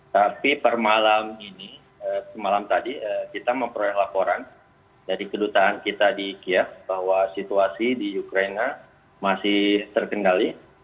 tapi per malam ini semalam tadi kita memperoleh laporan dari kedutaan kita di kiev bahwa situasi di ukraina masih terkendali